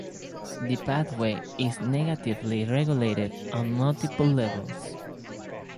The pathway is negatively regulated on multiple levels.